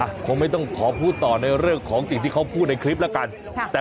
แล้วก็ไม่ต้องขอพูดต่อในเรื่องของถุงเช่าเป็นคริปตาการแต่